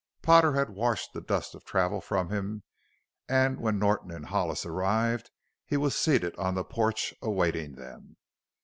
Potter had washed the dust of travel from him and when Norton and Hollis arrived he was seated on the porch, awaiting them.